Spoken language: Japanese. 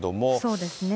そうですね。